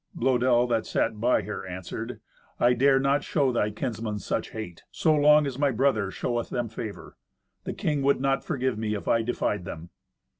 Blœdel, that sat by her, answered, "I dare not show thy kinsmen such hate, so long as my brother showeth them favour. The king would not forgive me if I defied them."